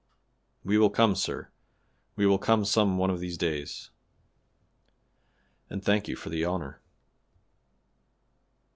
"We will come, sir! we will come some one of these days, and thank you for the honor."